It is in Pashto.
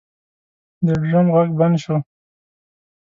د ډرم غږ بند شو.